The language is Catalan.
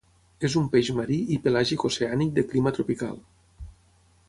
És un peix marí i pelàgic-oceànic de clima tropical.